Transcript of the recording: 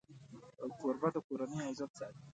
کوربه د کورنۍ عزت ساتي.